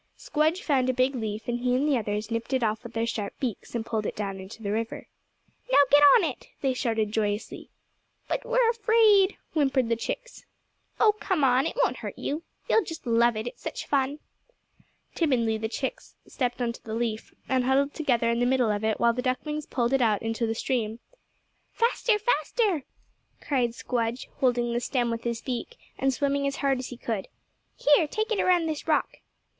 Squdge found a big leaf and he and the others nipped it off with their sharp beaks, and pulled it down into the river. "Now get on it," they shouted joyously. "But we're afraid," whimpered the chicks. "Oh, come on! it won't hurt you. You'll just love it, it's such fun." Timidly the chicks stepped onto the leaf, and huddled together in the middle of it while the ducklings pulled it out into the stream. "Faster, faster," cried Squdge, holding the stem with his beak, and swimming as hard as he could. "Here! Take it around this rock."